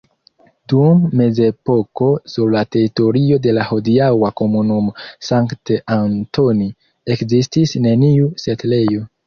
Dum mezepoko sur la teritorio de la hodiaŭa komunumo Sankt-Antoni ekzistis neniu setlejo.